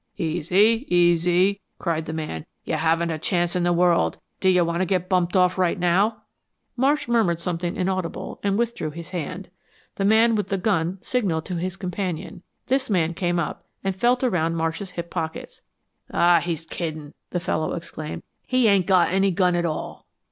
"Easy, easy!" cried the man. "You haven't a chance in the world! Do you want to get bumped off right now?" Marsh murmured something inaudible and withdrew his hand. The man with the gun signaled to his companion. This man came up and felt around Marsh's hip pockets. "Aw, he's kiddin'," the fellow exclaimed. "He ain't got any gun at all."